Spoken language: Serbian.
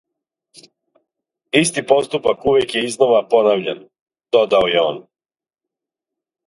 "Исти поступак увијек је изнова понављан," додао је он."